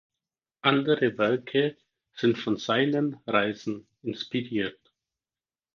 Andere Werke sind von seinen Reisen inspiriert.